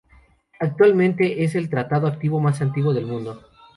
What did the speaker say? Actualmente es el tratado activo más antiguo del mundo.